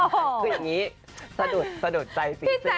คืออย่างงี้สะดุดใส่สีเสื้อ